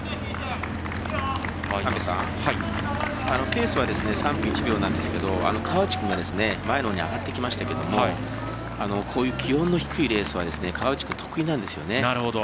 ペースは３分１秒なんですけど川内君が前のほうに上がってきましたけどこういう気温の低いレースは川内君、得意なんですよね。